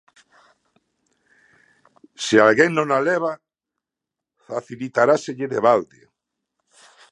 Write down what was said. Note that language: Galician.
Se alguén non a leva, facilitaráselle de balde.